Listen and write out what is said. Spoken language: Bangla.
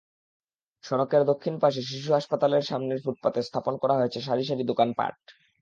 সড়কের দক্ষিণ পাশে শিশু হাসপাতালের সামনের ফুটপাতে স্থাপন করা হয়েছে সারি সারি দোকানপাট।